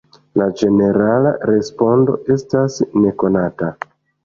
La ĝenerala respondo estas nekonata.